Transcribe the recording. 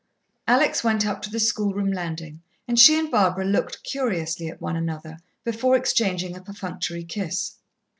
Alex went up to the schoolroom landing, and she and Barbara looked curiously at one another, before exchanging a perfunctory kiss.